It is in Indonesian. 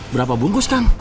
berapa bungkus kang